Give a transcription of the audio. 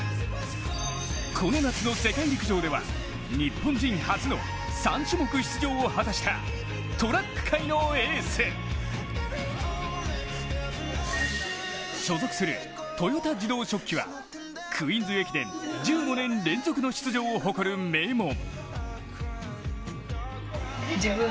この夏の世界陸上では、日本人初の３種目出場を果たしたトラック界のエース。所属する豊田自動織機はクイーンズ駅伝１５年連続の出場を誇る名門。